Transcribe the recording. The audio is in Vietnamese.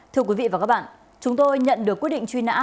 thưa quý vị và các bạn chúng tôi nhận được quyết định truy nã